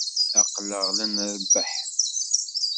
Aql-aɣ la nrebbeḥ.